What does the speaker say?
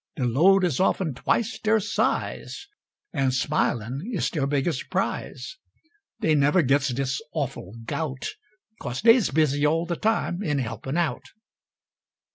De load is often twice der size, And smilin' is der biggest prize. Dey never gits dis awful gout 'Cause dey's busy all de time in helpin' out.